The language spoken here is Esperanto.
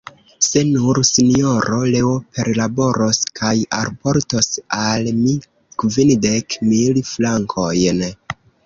Se nur, Sinjoro Leo perlaboros kaj alportos al mi kvindek mil frankojn.